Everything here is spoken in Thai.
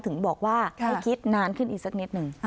ถึงบอกว่าให้คิดนานขึ้นอีกสักนิดหนึ่ง